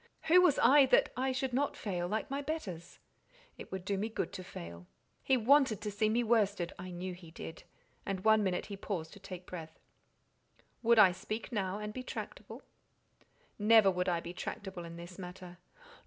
Who was I that I should not fail, like my betters? It would do me good to fail. He wanted to see me worsted (I knew he did), and one minute he paused to take breath. "Would I speak now, and be tractable?" "Never would I be tractable in this matter.